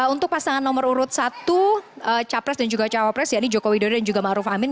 untuk pasangan nomor urut satu capres dan juga cawapres ya ini joko widodo dan juga ⁇ maruf ⁇ amin